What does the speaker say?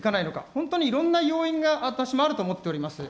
本当にいろんな要因が私もあると思っております。